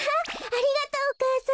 ありがとうお母さん。